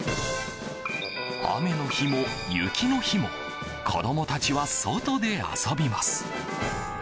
雨の日も、雪の日も子供たちは外で遊びます。